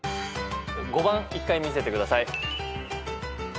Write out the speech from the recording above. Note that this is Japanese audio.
５番１回見せてください。